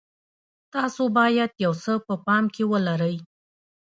تاسو باید یو څه په پام کې ولرئ.